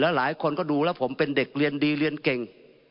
หลายคนก็ดูแล้วผมเป็นเด็กเรียนดีเรียนเก่ง